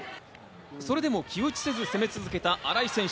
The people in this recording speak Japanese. それでも気落ちせず、攻め続けた新井選手。